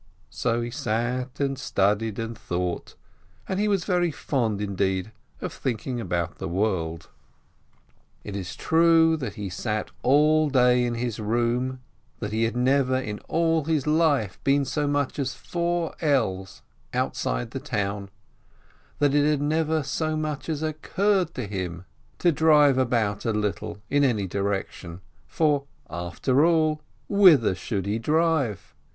So he sat and studied and thought, and he was very fond indeed of thinking about the world !• It is true that he sat all day in his room, that he had never in all his life been so much as "four ells" outside the town, that it had never so much as occurred to him to drive about a little in any direction, for, after all, whither should he drive?